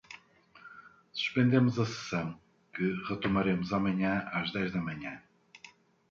Suspendemos a sessão, que retomaremos amanhã às dez da manhã.